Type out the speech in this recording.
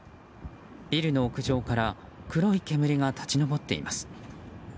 ビルの屋上から黒い煙が立ち上っています。